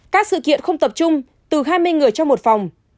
các sự kiện không tập trung từ hai mươi người trong một phòng